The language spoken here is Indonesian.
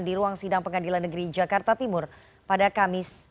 di ruang sidang pengadilan negeri jakarta timur pada kamis